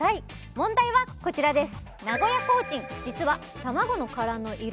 問題はこちらです